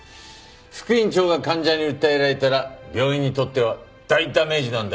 副院長が患者に訴えられたら病院にとっては大ダメージなんだよ。